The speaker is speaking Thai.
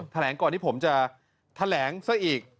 แถลงก่อนที่ผมจะแถลงซะอีก